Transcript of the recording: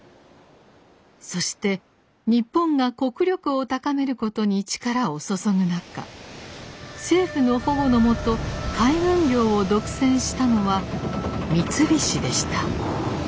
そして日本が国力を高めることに力を注ぐ中政府の保護の下海運業を独占したのは三菱でした。